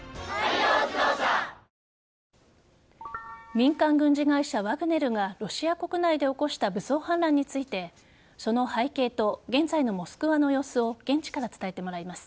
民間軍事会社・ワグネルがロシア国内で起こした武装反乱についてその背景と現在のモスクワの様子を現地から伝えてもらいます。